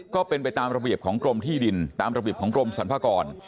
ก็เป็นไปตามระเบียบของกรมที่ดินตามระเบียบของกรมสรรพากร